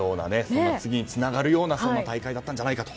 次につながるような大会だったんじゃないかと。